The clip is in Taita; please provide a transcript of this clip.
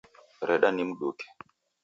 Reda nimduke